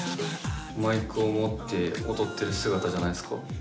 マイクを持って踊ってる姿じゃないですか？